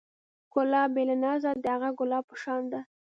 ښکلا بې له نازه د هغه ګلاب په شان ده.